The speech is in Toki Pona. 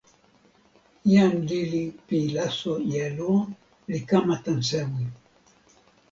jan lili pi laso jelo li kama tan sewi.